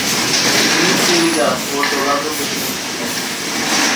তিনি ত্রিনিদাদ ও টোবাগো প্রতিনিধি ছিলেন।